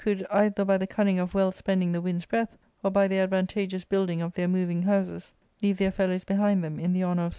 j could, either by the cunning of well spending the windl '3 breath, or by the advantageous building of their moving houses, leave their fellows behind them in the honour of.